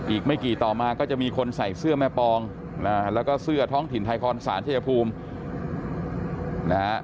อีกไม่กี่ต่อมาก็จะมีคนใส่เสื้อแม่ปองแล้วก็เสื้อท้องถิ่นไทยคอนศาลชายภูมินะฮะ